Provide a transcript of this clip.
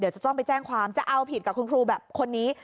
เดี๋ยวจะต้องไปแจ้งความจะเอาผิดกับคุณครูแบบคนนี้